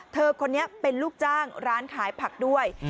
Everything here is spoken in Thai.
เธอคนนี้เป็นลูกจ้างร้านขายผักด้วย